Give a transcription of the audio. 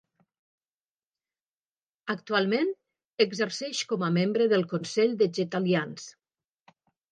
Actualment exerceix com a membre del consell de Jetalliance.